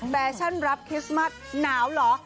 แฟชั่นรับคริสต์มัสหนาวเหรอ